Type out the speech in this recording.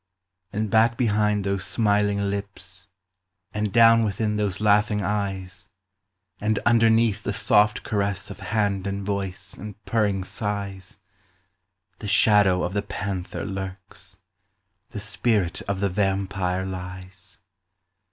And back behind those smiling lips, And down within those laughing eyes, And underneath the soft caress Of hand and voice and purring sighs, The shadow of the panther lurks, The spirit of the vampire lies.